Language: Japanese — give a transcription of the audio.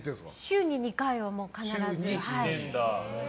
週に２回は必ず。